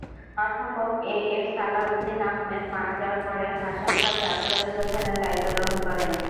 অধ্যাপক A F Salahuddin Ahmed মারা যাওয়ার পরে হাশেম খান জাদুঘরের প্রধানের দায়িত্ব গ্রহণ করেন।